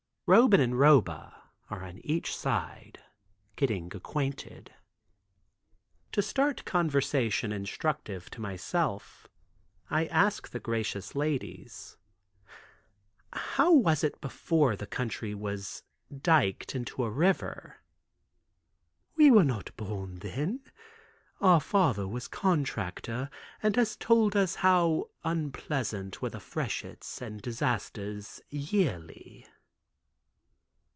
Roban and Roba are on each side getting acquainted. To start conversation instructive to myself I ask the gracious ladies; "How was it before the country was dyked into a river?" "We were not born then. Our father was contractor and has told us how unpleasant were the freshets and disasters yearly."